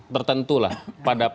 tertentu lah pada